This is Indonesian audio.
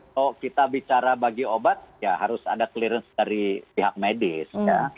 kalau kita bicara bagi obat ya harus ada clearance dari pihak medis